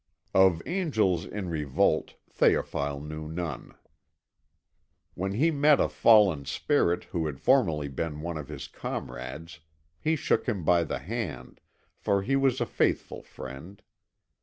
Of angels in revolt Théophile knew none. When he met a fallen spirit who had formerly been one of his comrades he shook him by the hand, for he was a faithful friend.